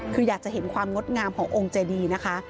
คืออยากจะเห็นความงดงามขององค์เจดีนะคะ